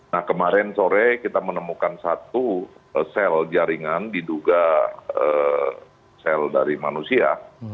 nah kemarin sore kita menemukan satu sel jaringan diduga sel dari manusia